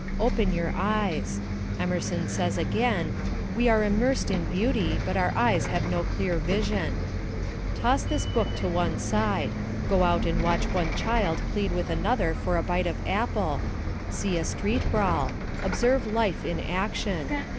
Open your eyes. Emerson says again: "We are immersed in beauty, but our eyes have no clear vision." Toss this book to one side; go out and watch one child plead with another for a bite of apple; see a street brawl; observe life in action.